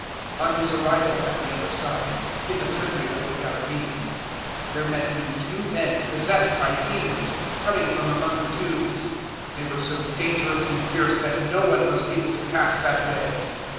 008:028 On His arrival at the other side, in the country of the Gadarenes, there met Him two men possessed by demons, coming from among the tombs: they were so dangerously fierce that no one was able to pass that way.